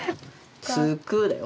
「つく」だよ。